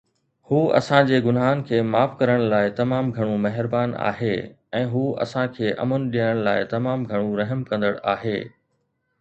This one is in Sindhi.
هو اسان جي گناهن کي معاف ڪرڻ لاء تمام گهڻو مهربان آهي، ۽ هو اسان کي امن ڏيڻ لاء تمام گهڻو رحم ڪندڙ آهي